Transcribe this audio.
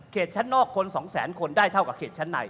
ชั้นนอกคน๒แสนคนได้เท่ากับเขตชั้นใน